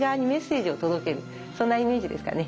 そんなイメージですかね。